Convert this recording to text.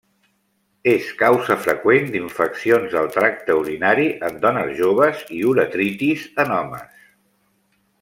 És causa freqüent d'infeccions del tracte urinari en dones joves i uretritis en homes.